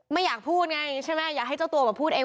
ไม่อยากพูดไงใช่ไหมอยากให้เจ้าตัวมาพูดเอง